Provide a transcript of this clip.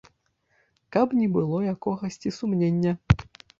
Каб не было якогасьці сумнення.